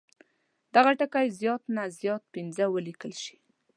دغه ټکي زیات نه زیات پنځه ولیکل شي.